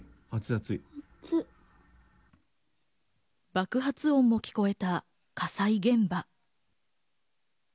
爆発音も聞こえた火災現場。